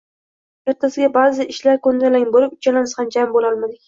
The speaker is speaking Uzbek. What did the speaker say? Ertasiga ba’zi ishlar ko’ndalang bo’lib uchalamiz jam bo’lolmadik.